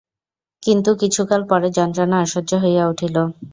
কিন্তু কিছুকাল পরে যন্ত্রণা অসহ্য হইয়া উঠিল।